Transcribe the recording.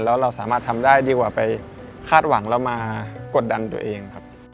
แล้วเราสามารถทำได้ดีกว่าไปคาดหวังเรามากดดันตัวเองครับ